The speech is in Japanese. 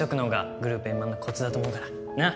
グループ円満のコツだと思うからなっ